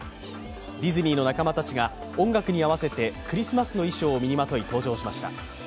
ディズニーの仲間たちが音楽に合わせてクリスマスの衣装を身にまとい登場しました。